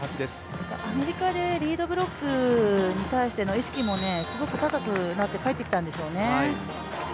アメリカでリードブロックに対しての意識もすごく高くなって帰ってきたんでしょうね。